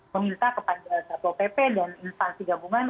meminta kepada satpol pp dan instansi gabungan